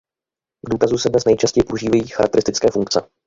K důkazu se dnes nejčastěji používají charakteristické funkce.